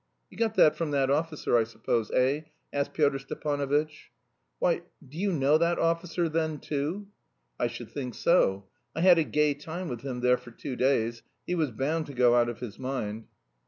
"You got it from that officer, I suppose, eh?" asked Pyotr Stepanovitch. "Why, do you know that officer, then, too?" "I should think so. I had a gay time with him there for two days; he was bound to go out of his mind."